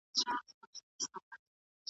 مړى به مي ورك سي ګراني !